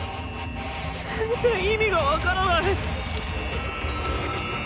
全然意味が分からない。